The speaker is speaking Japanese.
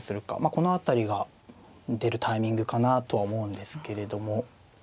この辺りが出るタイミングかなとは思うんですけれども。